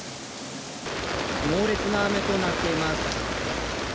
猛烈な雨となっています。